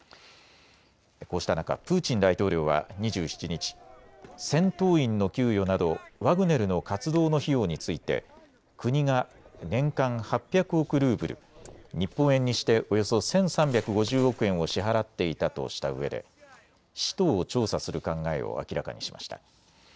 こうした中、プーチン大統領は２７日、戦闘員の給与などワグネルの活動の費用について国が年間８００億ルーブル、日本円にしておよそ１３５０億円を支払っていたとしたうえで使途を調査する考えを明らかにしました。